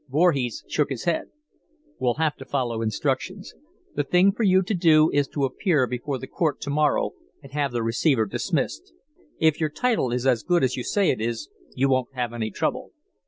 Voorhees shook his head. "We'll have to follow instructions. The thing for you to do is to appear before the court to morrow and have the receiver dismissed. If your title is as good as you say it is, you won't have any trouble."